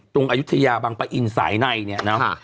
อายุทยาบังปะอินสายในเนี่ยนะ